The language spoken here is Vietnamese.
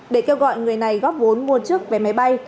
để kêu gọi người này góp vốn mua trước vé máy bay